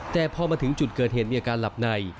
แต่พอมาถึงจุดเกิดเหตุมีอาการหลับใน